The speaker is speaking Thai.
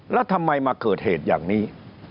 แล้วทำไมมาเกิดเหตุอย่างนี้